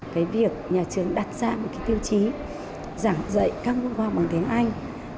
cái việc nhà trường đặt ra một cái tiêu chí giảng dạy các ngôn ngọc bằng tiếng anh